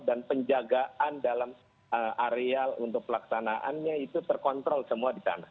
dan penjagaan dalam area untuk pelaksanaannya itu terkontrol semua di sana